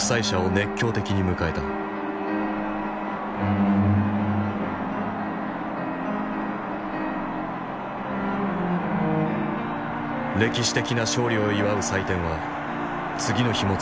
歴史的な勝利を祝う祭典は次の日も続いた。